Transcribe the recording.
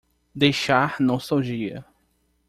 Deixar nostalgia